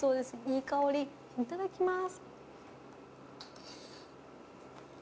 いい香りいただきます。